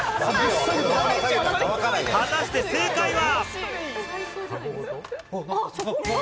果たして正解は。